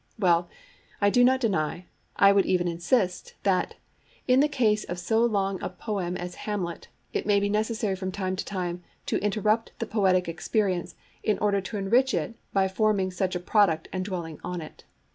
Well, I do not deny, I would even insist, that, in the case of so long a poem as Hamlet, it may be necessary from time to time to interrupt the poetic experience, in order to enrich it by forming such a product and dwelling on it.